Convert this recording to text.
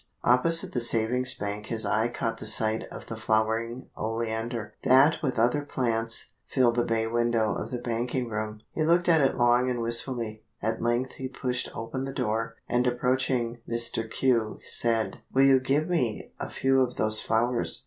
Opposite the Savings Bank his eye caught sight of the flowering Oleander, that with other plants fill the bay window of the banking room. He looked at it long and wistfully. At length he pushed open the door, and approaching Mr. Q., said: "'Will you give me a few of those flowers?'